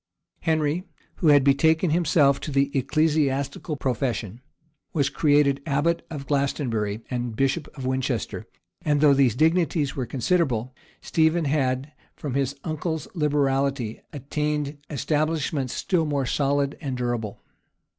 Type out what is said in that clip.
Henry, who had betaken himself to the ecclesiastical profession, was created abbot of Glastonbury and bishop of Winchester; and though these dignities were considerable, Stephen had, from his uncle's liberality, attained establishments still more solid and durable.